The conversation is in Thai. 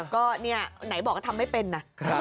ก็เนี่ยไหนบอกว่าทำไม่เป็นนะ